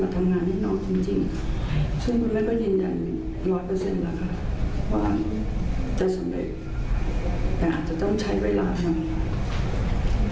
แต่อาจจะต้องใช้เวลาทำ